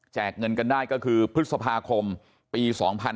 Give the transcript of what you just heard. เงินกันได้ก็คือพฤษภาคมปี๒๕๕๙